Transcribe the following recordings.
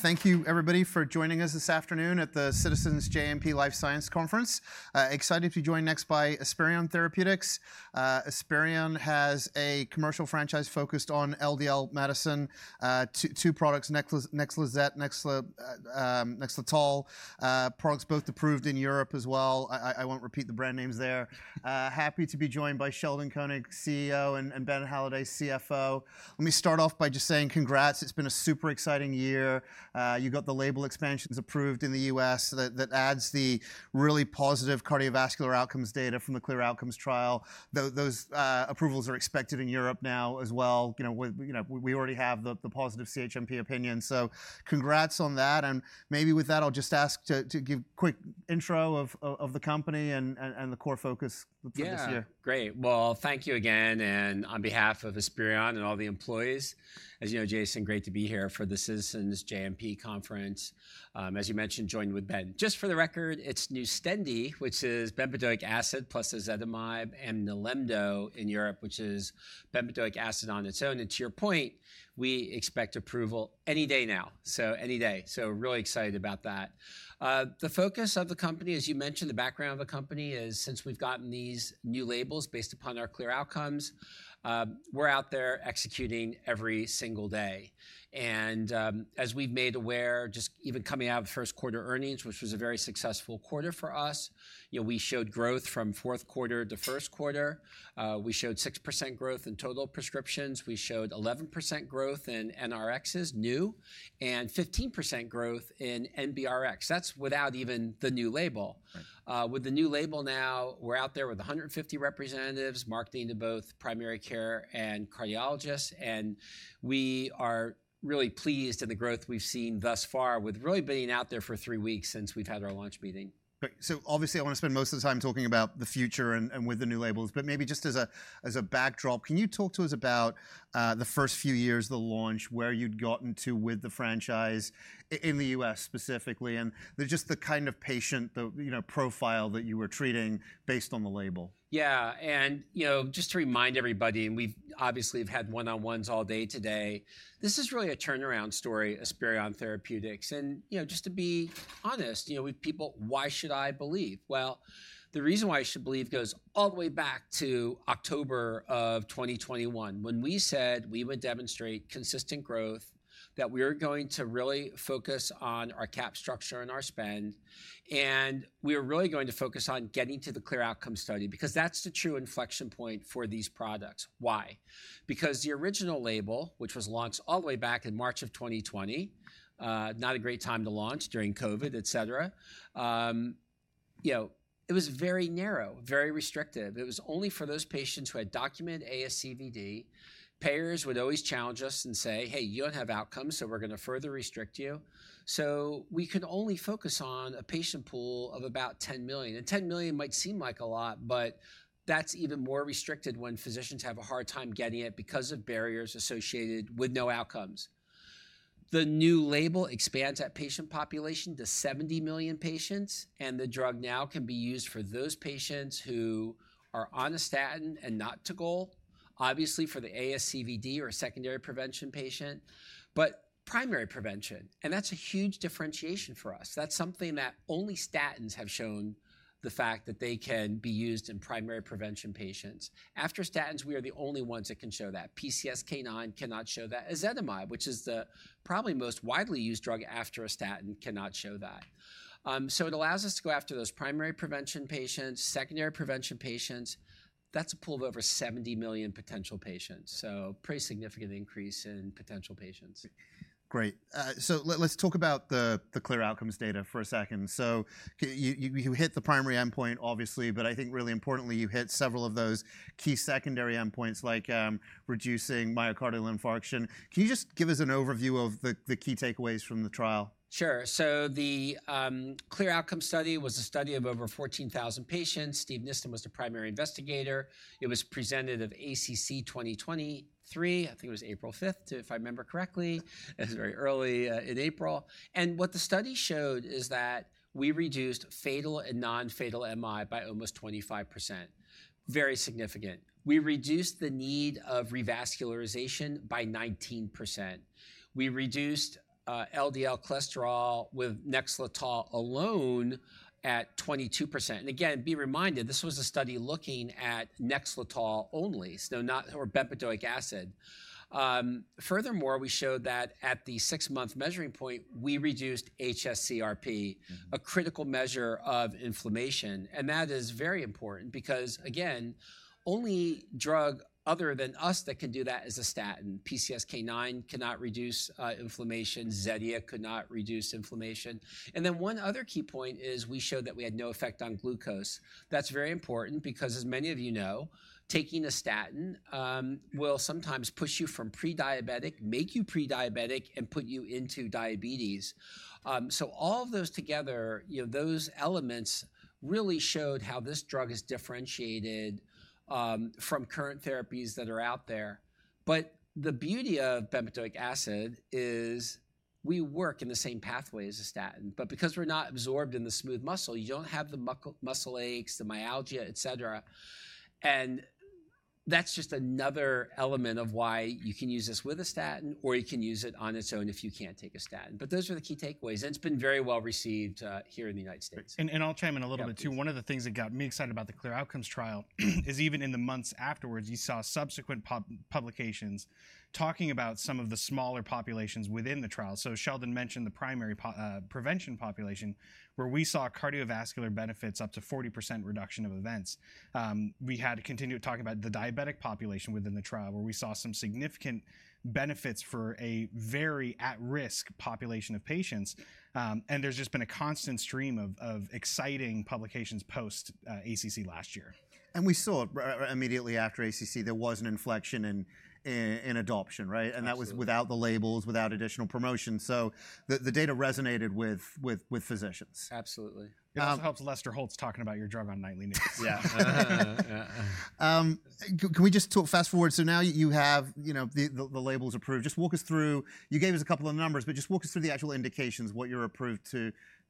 Thank you, everybody, for joining us this afternoon at the Citizens JMP Life Sciences Conference. Excited to be joined next by Esperion Therapeutics. Esperion has a commercial franchise focused on LDL medicine, two products, NEXLIZET, NEXLETOL, products both approved in Europe as well. I won't repeat the brand names there. Happy to be joined by Sheldon Koenig, CEO, and Ben Halladay, CFO. Let me start off by just saying congrats. It's been a super exciting year. You got the label expansions approved in the U.S. that adds the really positive cardiovascular outcomes data from the CLEAR Outcomes trial. Those approvals are expected in Europe now as well. We already have the positive CHMP opinion. So congrats on that. And maybe with that, I'll just ask to give a quick intro of the company and the core focus for this year. Yeah, great. Well, thank you again. And on behalf of Esperion and all the employees, as you know, Jason, great to be here for the Citizens JMP Conference. As you mentioned, joined with Ben. Just for the record, it's Nustendi, which is bempedoic acid plus ezetimibe and Nilemdo in Europe, which is bempedoic acid on its own. And to your point, we expect approval any day now, so any day. So really excited about that. The focus of the company, as you mentioned, the background of the company is since we've gotten these new labels based upon our CLEAR Outcomes, we're out there executing every single day. And as we've made aware, just even coming out of first quarter earnings, which was a very successful quarter for us, we showed growth from fourth quarter to first quarter. We showed 6% growth in total prescriptions. We showed 11% growth in NRXs, new, and 15% growth in NBRX. That's without even the new label. With the new label now, we're out there with 150 representatives marketing to both primary care and cardiologists. We are really pleased in the growth we've seen thus far with really being out there for three weeks since we've had our launch meeting. So obviously, I want to spend most of the time talking about the future and with the new labels. But maybe just as a backdrop, can you talk to us about the first few years, the launch, where you'd gotten to with the franchise in the U.S. specifically, and just the kind of patient profile that you were treating based on the label? Yeah. And just to remind everybody, and we've obviously had one-on-ones all day today, this is really a turnaround story, Esperion Therapeutics. And just to be honest, with people, why should I believe? Well, the reason why I should believe goes all the way back to October of 2021, when we said we would demonstrate consistent growth, that we were going to really focus on our cap structure and our spend, and we were really going to focus on getting to the CLEAR Outcomes study, because that's the true inflection point for these products. Why? Because the original label, which was launched all the way back in March of 2020, not a great time to launch during COVID, et cetera, it was very narrow, very restrictive. It was only for those patients who had documented ASCVD. Payers would always challenge us and say, hey, you don't have outcomes, so we're going to further restrict you. So we could only focus on a patient pool of about 10 million. And 10 million might seem like a lot, but that's even more restricted when physicians have a hard time getting it because of barriers associated with no outcomes. The new label expands that patient population to 70 million patients. And the drug now can be used for those patients who are on a statin and not to goal, obviously for the ASCVD or secondary prevention patient, but primary prevention. And that's a huge differentiation for us. That's something that only statins have shown, the fact that they can be used in primary prevention patients. After statins, we are the only ones that can show that. PCSK9 cannot show that. Ezetimibe, which is the probably most widely used drug after a statin, cannot show that. So it allows us to go after those primary prevention patients, secondary prevention patients. That's a pool of over 70 million potential patients. So pretty significant increase in potential patients. Great. So let's talk about the CLEAR Outcomes data for a second. So you hit the primary endpoint, obviously. But I think really importantly, you hit several of those key secondary endpoints, like reducing myocardial infarction. Can you just give us an overview of the key takeaways from the trial? Sure. So the CLEAR Outcomes study was a study of over 14,000 patients. Steven Nissen was the primary investigator. It was presented at ACC 2023. I think it was April 5th, if I remember correctly. It was very early in April. And what the study showed is that we reduced fatal and non-fatal MI by almost 25%. Very significant. We reduced the need of revascularization by 19%. We reduced LDL cholesterol with NEXLETOL alone at 22%. And again, be reminded, this was a study looking at NEXLETOL only, so not or bempedoic acid. Furthermore, we showed that at the six-month measuring point, we reduced hsCRP, a critical measure of inflammation. And that is very important because, again, only drug other than us that can do that is a statin. PCSK9 cannot reduce inflammation. Zetia could not reduce inflammation. One other key point is we showed that we had no effect on glucose. That's very important because, as many of you know, taking a statin will sometimes push you from prediabetic, make you prediabetic, and put you into diabetes. All of those together, those elements really showed how this drug is differentiated from current therapies that are out there. But the beauty of bempedoic acid is we work in the same pathway as a statin. But because we're not absorbed in the smooth muscle, you don't have the muscle aches, the myalgia, et cetera. That's just another element of why you can use this with a statin, or you can use it on its own if you can't take a statin. Those are the key takeaways. It's been very well received here in the United States. I'll chime in a little bit too. One of the things that got me excited about the CLEAR Outcomes trial is even in the months afterwards, you saw subsequent publications talking about some of the smaller populations within the trial. Sheldon mentioned the primary prevention population, where we saw cardiovascular benefits, up to 40% reduction of events. We had to continue talking about the diabetic population within the trial, where we saw some significant benefits for a very at-risk population of patients. There's just been a constant stream of exciting publications post-ACC last year. We saw immediately after ACC, there was an inflection in adoption, right? That was without the labels, without additional promotion. The data resonated with physicians. Absolutely. That helps Lester Holt talking about your drug on Nightly News. Yeah. Can we just talk fast forward? So now you have the labels approved. Just walk us through. You gave us a couple of numbers. But just walk us through the actual indications, what you're approved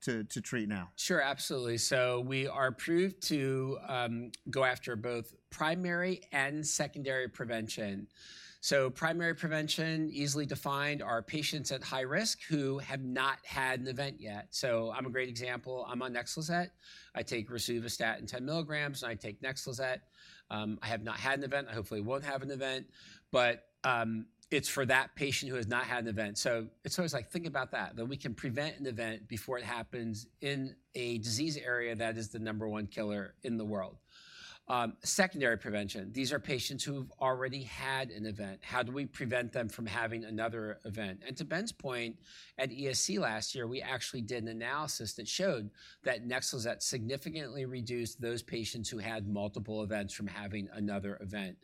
to treat now. Sure, absolutely. So we are approved to go after both primary and secondary prevention. So primary prevention, easily defined, are patients at high risk who have not had an event yet. So I'm a great example. I'm on NEXLIZET. I take rosuvastatin 10 mg, and I take NEXLIZET. I have not had an event. I hopefully won't have an event. But it's for that patient who has not had an event. So it's always like, think about that, that we can prevent an event before it happens in a disease area that is the number one killer in the world. Secondary prevention, these are patients who have already had an event. How do we prevent them from having another event? And to Ben's point, at ESC last year, we actually did an analysis that showed that NEXLIZET significantly reduced those patients who had multiple events from having another event.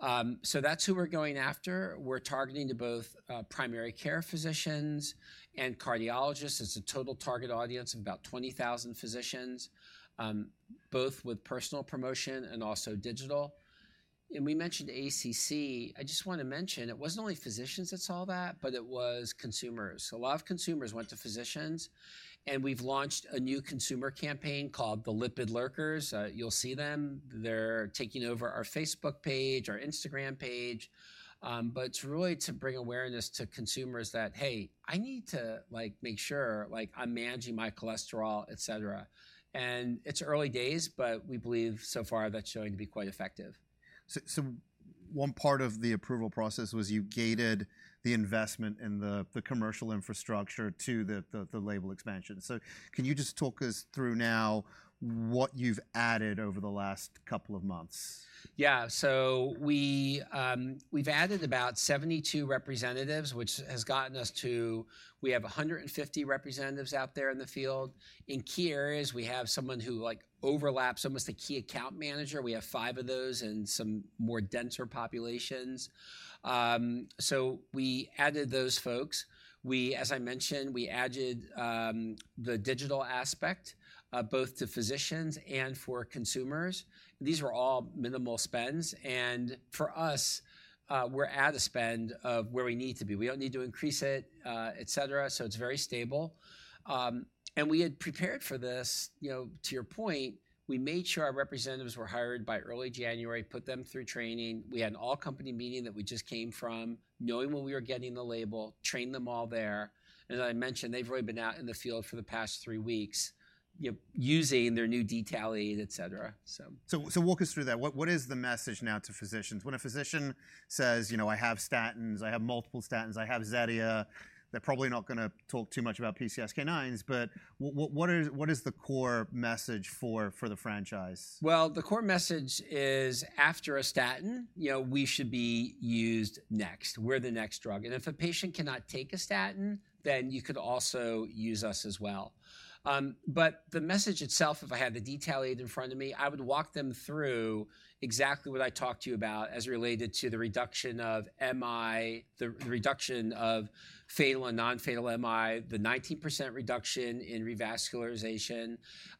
That's who we're going after. We're targeting to both primary care physicians and cardiologists. It's a total target audience of about 20,000 physicians, both with personal promotion and also digital. We mentioned ACC. I just want to mention, it wasn't only physicians that saw that, but it was consumers. A lot of consumers went to physicians. We've launched a new consumer campaign called the Lipid Lurkers. You'll see them. They're taking over our Facebook page, our Instagram page. But it's really to bring awareness to consumers that, hey, I need to make sure I'm managing my cholesterol, et cetera. It's early days, but we believe so far that's showing to be quite effective. One part of the approval process was you gated the investment in the commercial infrastructure to the label expansion. Can you just talk us through now what you've added over the last couple of months? Yeah. So we've added about 72 representatives, which has gotten us to we have 150 representatives out there in the field. In key areas, we have someone who overlaps almost the key account manager. We have 5 of those in some more denser populations. So we added those folks. As I mentioned, we added the digital aspect, both to physicians and for consumers. These were all minimal spends. And for us, we're at a spend of where we need to be. We don't need to increase it, et cetera. So it's very stable. And we had prepared for this. To your point, we made sure our representatives were hired by early January, put them through training. We had an all-company meeting that we just came from, knowing when we were getting the label, trained them all there. As I mentioned, they've really been out in the field for the past three weeks, using their new detail aid, et cetera. So walk us through that. What is the message now to physicians? When a physician says, I have statins, I have multiple statins, I have Zetia, they're probably not going to talk too much about PCSK9s. But what is the core message for the franchise? Well, the core message is, after a statin, we should be used next. We're the next drug. And if a patient cannot take a statin, then you could also use us as well. But the message itself, if I had the detail aid in front of me, I would walk them through exactly what I talked to you about as related to the reduction of MI, the reduction of fatal and non-fatal MI, the 19% reduction in revascularization.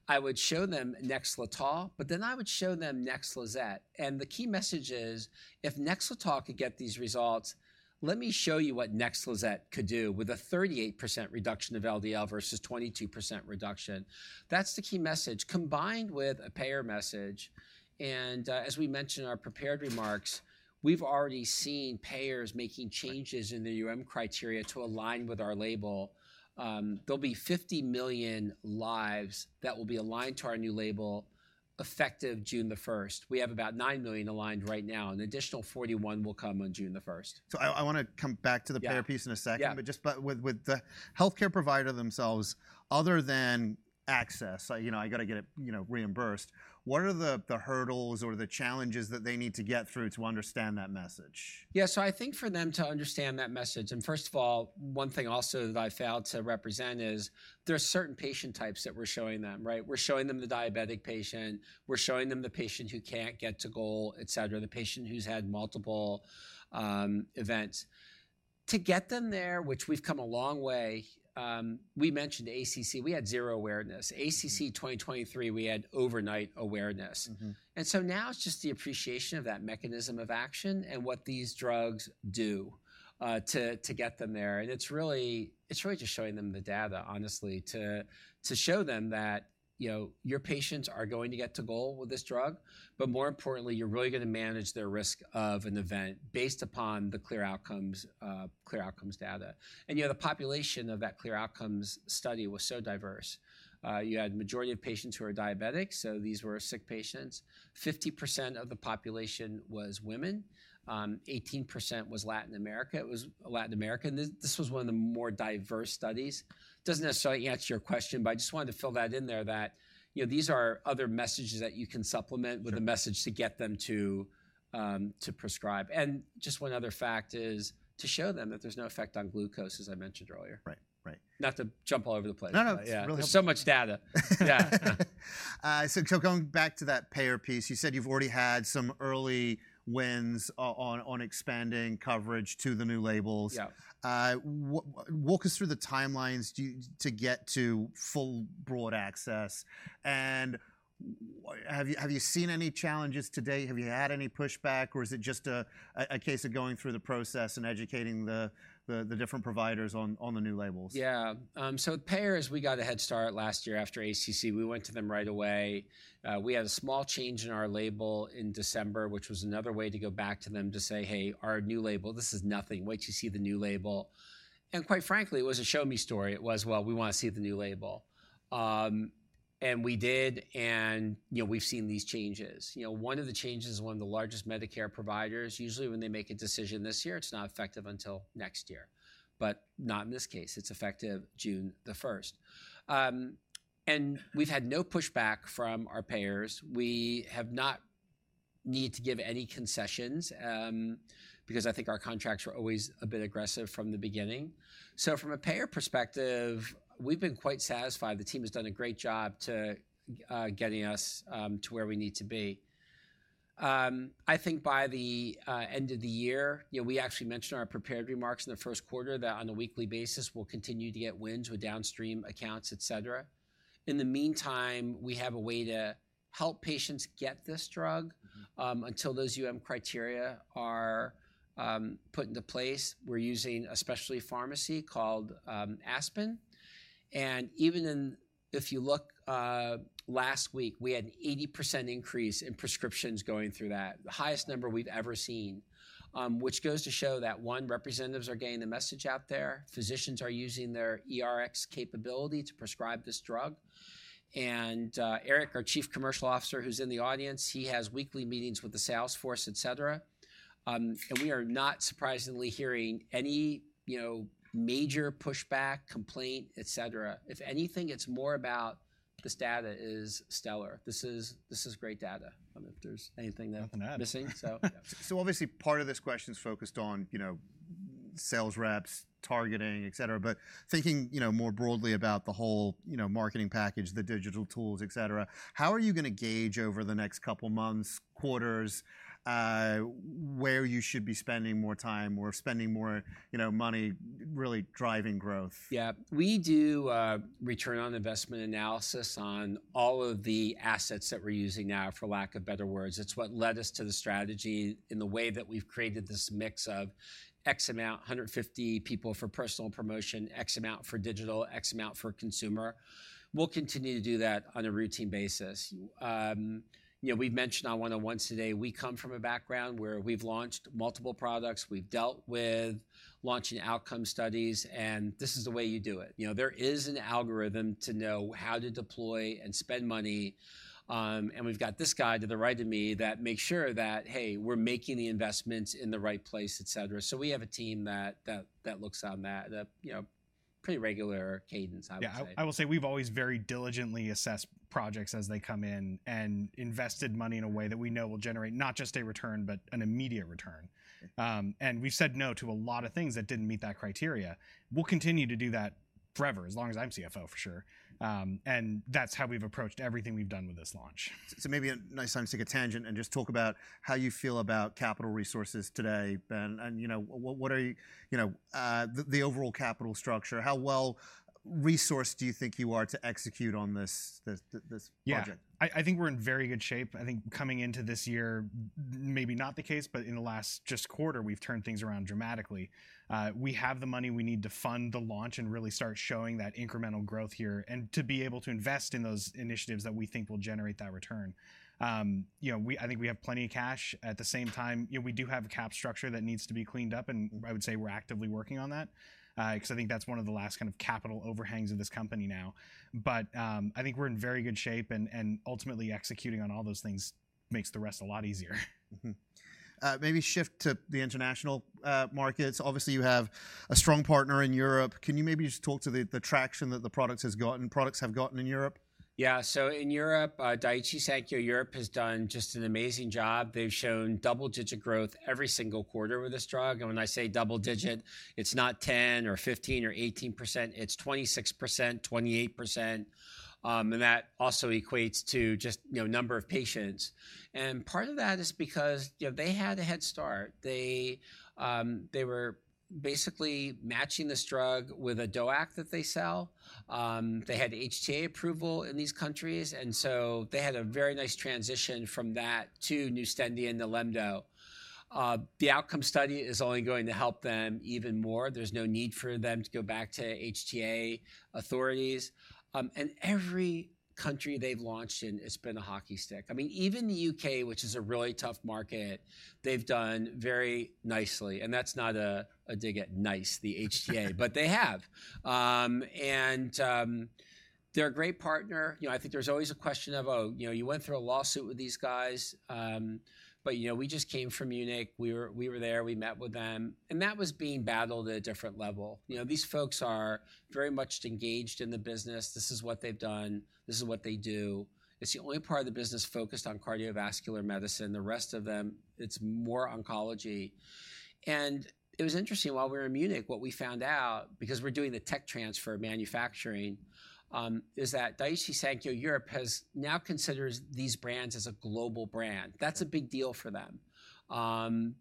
I would show them NEXLETOL. But then I would show them NEXLIZET. And the key message is, if NEXLETOL could get these results, let me show you what NEXLIZET could do with a 38% reduction of LDL versus 22% reduction. That's the key message, combined with a payer message. And as we mentioned in our prepared remarks, we've already seen payers making changes in their criteria to align with our label. There'll be 50 million lives that will be aligned to our new label effective June the 1st. We have about 9 million aligned right now. An additional 41 will come on June the 1st. So I want to come back to the payer piece in a second. But just with the health care provider themselves, other than access, I got to get it reimbursed, what are the hurdles or the challenges that they need to get through to understand that message? Yeah. So I think for them to understand that message and first of all, one thing also that I failed to represent is there are certain patient types that we're showing them, right? We're showing them the diabetic patient. We're showing them the patient who can't get to goal, et cetera, the patient who's had multiple events. To get them there, which we've come a long way, we mentioned ACC. We had zero awareness. ACC 2023, we had overnight awareness. And so now it's just the appreciation of that mechanism of action and what these drugs do to get them there. And it's really just showing them the data, honestly, to show them that your patients are going to get to goal with this drug. But more importantly, you're really going to manage their risk of an event based upon the CLEAR Outcomes data. The population of that CLEAR Outcomes study was so diverse. You had a majority of patients who are diabetic. So these were sick patients. 50% of the population was women. 18% was Latin America. It was Latin America. And this was one of the more diverse studies. It doesn't necessarily answer your question. But I just wanted to fill that in there, that these are other messages that you can supplement with a message to get them to prescribe. And just one other fact is to show them that there's no effect on glucose, as I mentioned earlier. Not to jump all over the place. No, no. It's really helpful. There's so much data. Yeah. So going back to that payer piece, you said you've already had some early wins on expanding coverage to the new labels. Walk us through the timelines to get to full broad access. And have you seen any challenges today? Have you had any pushback? Or is it just a case of going through the process and educating the different providers on the new labels? Yeah. So payers, we got a head start last year after ACC. We went to them right away. We had a small change in our label in December, which was another way to go back to them to say, hey, our new label, this is nothing. Wait till you see the new label. And quite frankly, it was a show-me story. It was, well, we want to see the new label. And we did. And we've seen these changes. One of the changes is one of the largest Medicare providers. Usually, when they make a decision this year, it's not effective until next year. But not in this case. It's effective June 1st. And we've had no pushback from our payers. We have not needed to give any concessions because I think our contracts were always a bit aggressive from the beginning. So from a payer perspective, we've been quite satisfied. The team has done a great job getting us to where we need to be. I think by the end of the year, we actually mentioned our prepared remarks in the first quarter that on a weekly basis, we'll continue to get wins with downstream accounts, et cetera. In the meantime, we have a way to help patients get this drug until those criteria are put into place. We're using a specialty pharmacy called ASPN. And even if you look last week, we had an 80% increase in prescriptions going through that, the highest number we've ever seen, which goes to show that, one, representatives are getting the message out there. Physicians are using their eRx capability to prescribe this drug. And Eric, our Chief Commercial Officer who's in the audience, he has weekly meetings with the sales force, et cetera. We are not surprisingly hearing any major pushback, complaint, et cetera. If anything, it's more about this data is stellar. This is great data. If there's anything that. Nothing to add. Missing. Obviously, part of this question is focused on sales reps, targeting, et cetera. But thinking more broadly about the whole marketing package, the digital tools, et cetera, how are you going to gauge over the next couple of months, quarters, where you should be spending more time or spending more money really driving growth? Yeah. We do return on investment analysis on all of the assets that we're using now, for lack of better words. It's what led us to the strategy in the way that we've created this mix of X amount, 150 people for personal promotion, X amount for digital, X amount for consumer. We'll continue to do that on a routine basis. We've mentioned on one-on-ones today, we come from a background where we've launched multiple products. We've dealt with launching outcome studies. And this is the way you do it. There is an algorithm to know how to deploy and spend money. And we've got this guy to the right of me that makes sure that, hey, we're making the investments in the right place, et cetera. So we have a team that looks on that, pretty regular cadence, I would say. Yeah. I will say we've always very diligently assessed projects as they come in and invested money in a way that we know will generate not just a return, but an immediate return. We've said no to a lot of things that didn't meet that criteria. We'll continue to do that forever, as long as I'm CFO, for sure. That's how we've approached everything we've done with this launch. Maybe a nice time to take a tangent and just talk about how you feel about capital resources today, Ben. What are the overall capital structure? How well resourced do you think you are to execute on this project? Yeah. I think we're in very good shape. I think coming into this year, maybe not the case. But in the last just quarter, we've turned things around dramatically. We have the money we need to fund the launch and really start showing that incremental growth here and to be able to invest in those initiatives that we think will generate that return. I think we have plenty of cash. At the same time, we do have a capital structure that needs to be cleaned up. And I would say we're actively working on that because I think that's one of the last kind of capital overhangs of this company now. But I think we're in very good shape. And ultimately, executing on all those things makes the rest a lot easier. Maybe shift to the international markets. Obviously, you have a strong partner in Europe. Can you maybe just talk to the traction that the products have gotten in Europe? Yeah. So in Europe, Daiichi Sankyo Europe has done just an amazing job. They've shown double-digit growth every single quarter with this drug. And when I say double-digit, it's not 10% or 15% or 18%. It's 26%, 28%. And that also equates to just number of patients. And part of that is because they had a head start. They were basically matching this drug with a DOAC that they sell. They had HTA approval in these countries. And so they had a very nice transition from that to Nustendi and Nilemdo. The outcome study is only going to help them even more. There's no need for them to go back to HTA authorities. And every country they've launched in has been a hockey stick. I mean, even the UK., which is a really tough market, they've done very nicely. And that's not a dig at NICE, the HTA. But they have. And they're a great partner. I think there's always a question of, oh, you went through a lawsuit with these guys. But we just came from Munich. We were there. We met with them. And that was being battled at a different level. These folks are very much engaged in the business. This is what they've done. This is what they do. It's the only part of the business focused on cardiovascular medicine. The rest of them, it's more oncology. And it was interesting while we were in Munich, what we found out because we're doing the tech transfer manufacturing is that Daiichi Sankyo Europe now considers these brands as a global brand. That's a big deal for them.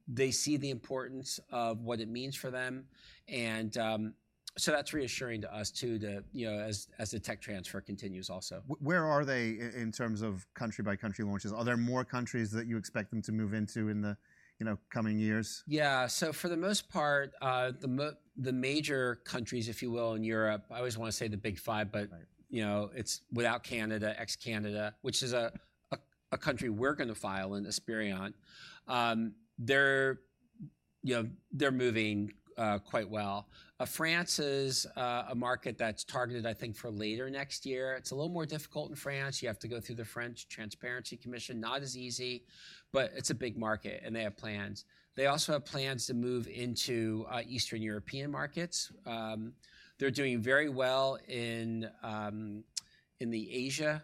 They see the importance of what it means for them. And so that's reassuring to us, too, as the tech transfer continues also. Where are they in terms of country-by-country launches? Are there more countries that you expect them to move into in the coming years? Yeah. So for the most part, the major countries, if you will, in Europe I always want to say the big five. But it's without Canada, ex-Canada, which is a country we're going to file in, Esperion. They're moving quite well. France is a market that's targeted, I think, for later next year. It's a little more difficult in France. You have to go through the French Transparency Commission, not as easy. But it's a big market. And they have plans. They also have plans to move into Eastern European markets. They're doing very well in the Asia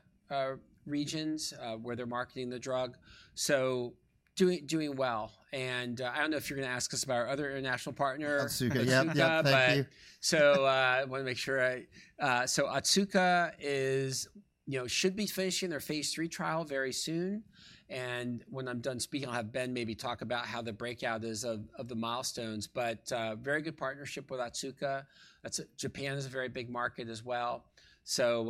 regions where they're marketing the drug. So doing well. And I don't know if you're going to ask us about our other international partner. Otsuka. Yep. Yep. Thank you. So I want to make sure, so Otsuka should be finishing their phase III trial very soon. And when I'm done speaking, I'll have Ben maybe talk about how the breakout is of the milestones. But very good partnership with Otsuka. Japan is a very big market as well. So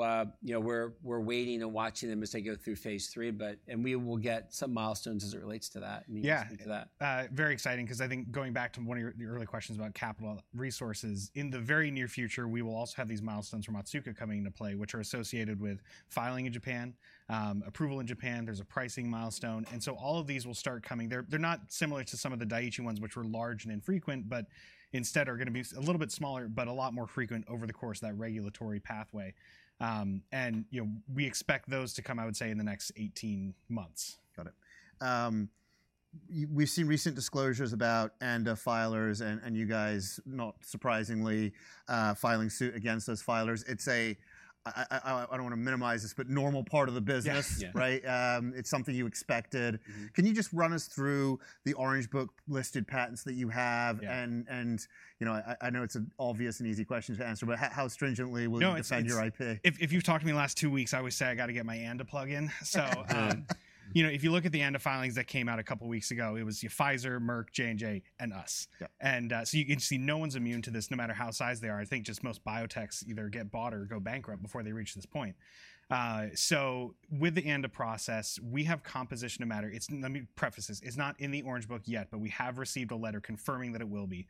we're waiting and watching them as they go through phase III. And we will get some milestones as it relates to that. Yeah. Very exciting because I think going back to one of your early questions about capital resources, in the very near future, we will also have these milestones from Otsuka coming into play, which are associated with filing in Japan, approval in Japan. There's a pricing milestone. And so all of these will start coming. They're not similar to some of the Daiichi ones, which were large and infrequent, but instead are going to be a little bit smaller but a lot more frequent over the course of that regulatory pathway. And we expect those to come, I would say, in the next 18 months. Got it. We've seen recent disclosures about ANDA filers and you guys, not surprisingly, filing suit against those filers. It's a, I don't want to minimize this, but normal part of the business, right? It's something you expected. Can you just run us through the Orange Book listed patents that you have? And I know it's an obvious and easy question to answer. But how stringently will you defend your IP? If you've talked to me the last 2 weeks, I always say I got to get my ANDA plug in. So if you look at the ANDA filings that came out a couple of weeks ago, it was Pfizer, Merck, J&J, and us. And so you can see no one's immune to this, no matter how big they are. I think just most biotechs either get bought or go bankrupt before they reach this point. So with the ANDA process, we have composition of matter. Let me preface this. It's not in the Orange Book yet. But we have received a letter confirming that it will be.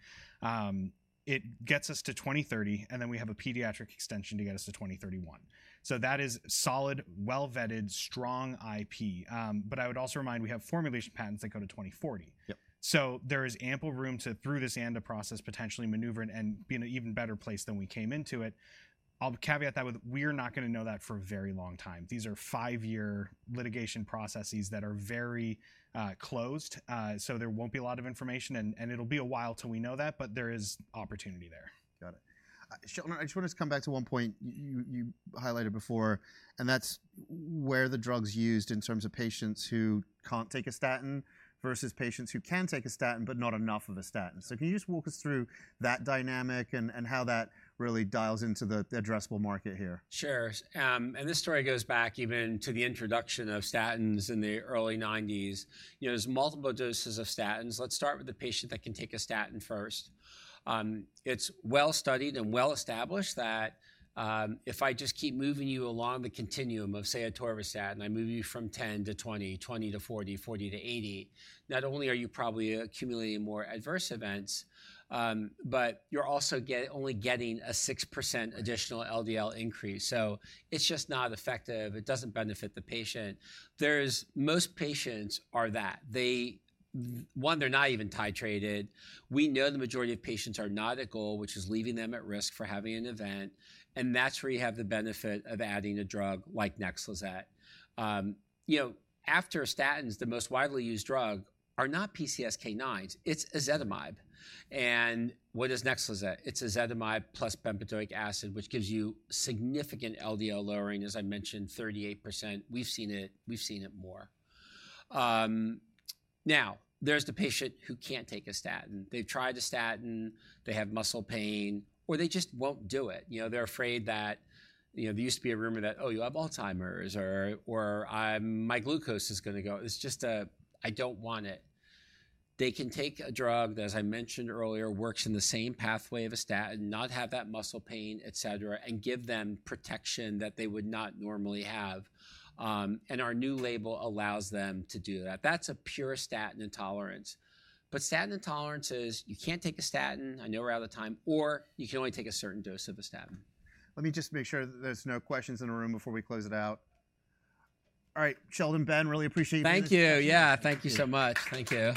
It gets us to 2030. And then we have a pediatric extension to get us to 2031. So that is solid, well-vetted, strong IP. But I would also remind, we have formulation patents that go to 2040. So there is ample room to, through this ANDA process, potentially maneuver and be in an even better place than we came into it. I'll caveat that with, we're not going to know that for a very long time. These are 5-year litigation processes that are very closed. So there won't be a lot of information. And it'll be a while till we know that. But there is opportunity there. Got it. Sheldon, I just want to just come back to one point you highlighted before. And that's where the drug's used in terms of patients who can't take a statin versus patients who can take a statin but not enough of a statin. So can you just walk us through that dynamic and how that really dials into the addressable market here? Sure. And this story goes back even to the introduction of statins in the early '90s. There's multiple doses of statins. Let's start with the patient that can take a statin first. It's well-studied and well-established that if I just keep moving you along the continuum of, say, atorvastatin, I move you from 10%-20%, 20%-40%, 40%-80%, not only are you probably accumulating more adverse events, but you're also only getting a 6% additional LDL increase. So it's just not effective. It doesn't benefit the patient. Most patients are that. One, they're not even titrated. We know the majority of patients are not at goal, which is leaving them at risk for having an event. And that's where you have the benefit of adding a drug like NEXLIZET. After statins, the most widely used drug are not PCSK9s. It's ezetimibe. And what is NEXLIZET? It's ezetimibe plus bempedoic acid, which gives you significant LDL lowering, as I mentioned, 38%. We've seen it more. Now, there's the patient who can't take a statin. They've tried a statin. They have muscle pain. Or they just won't do it. They're afraid that there used to be a rumor that, oh, you have Alzheimer's. Or my glucose is going to go it's just a I don't want it. They can take a drug that, as I mentioned earlier, works in the same pathway of a statin, not have that muscle pain, et cetera, and give them protection that they would not normally have. And our new label allows them to do that. That's a pure statin intolerance. But statin intolerances, you can't take a statin. I know we're out of time. Or you can only take a certain dose of a statin. Let me just make sure that there's no questions in the room before we close it out. All right. Sheldon, Ben, really appreciate you being here. Thank you. Yeah. Thank you so much. Thank you.